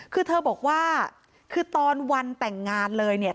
คือเธอบอกว่าคือตอนวันแต่งงานเลยเนี่ย